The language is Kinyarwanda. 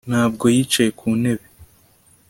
Ntabwo yicaye ku ntebe